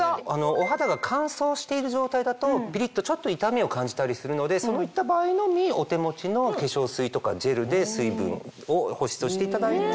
お肌が乾燥している状態だとピリっとちょっと痛みを感じたりするのでそういった場合のみお手持ちの化粧水とかジェルで水分を保湿をしていただいて。